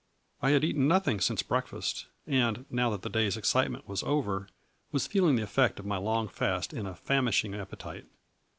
I had eaten nothing since breakfast, and, now that the day's excitement was over, was feeling the effect of my long fast in a famishing ap petite.